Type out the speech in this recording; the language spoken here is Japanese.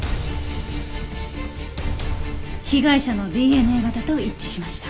被害者のＤＮＡ型と一致しました。